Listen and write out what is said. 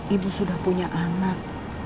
ibu sudah punya anak